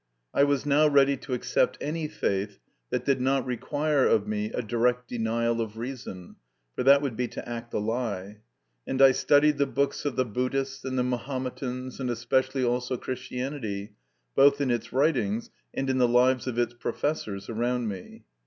I was now ready to accept any faith that did not require of me a direct denial of reason, for that would be to act a lie; and I studied the books of the Buddhists and the Mahometans, and especially also Christianity, both in its writings and in the lives of its professors around me.